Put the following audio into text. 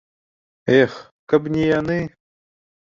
Эх, каб не яны!